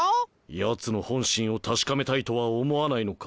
ヤツの本心を確かめたいとは思わないのか？